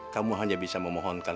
kamu hanya bisa memohonkan